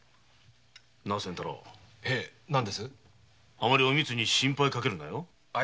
あまりおみつに心配かけるなよ。